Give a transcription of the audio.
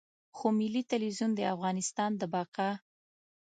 خو ملي ټلویزیون د افغانستان د بقا.